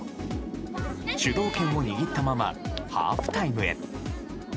主導権を握ったままハーフタイムへ。